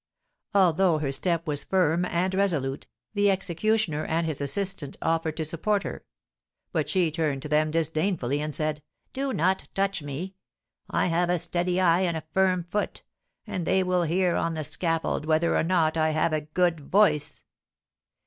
Although her step was firm and resolute, the executioner and his assistant offered to support her; but she turned to them disdainfully, and said, "Do not touch me, I have a steady eye and a firm foot, and they will hear on the scaffold whether or not I have a good voice."